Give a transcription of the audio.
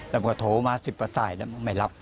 แล้วก็โถมาสิบประสายแล้วมันไม่รับ